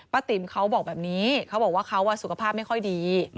ติ๋มเขาบอกแบบนี้เขาบอกว่าเขาสุขภาพไม่ค่อยดี